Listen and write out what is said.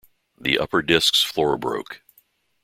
The upper disc's floor broke.